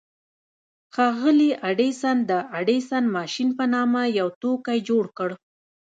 ښاغلي ايډېسن د ايډېسن ماشين په نامه يو توکی جوړ کړ.